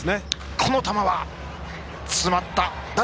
この球は詰まった。